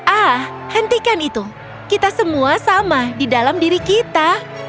ah hentikan itu kita semua sama di dalam diri kita